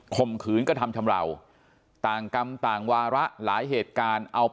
มขืนกระทำชำราวต่างกรรมต่างวาระหลายเหตุการณ์เอาไป